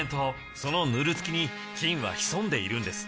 そのヌルつきに菌は潜んでいるんです。